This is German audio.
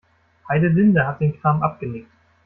Heidelinde hat den Kram abgenickt.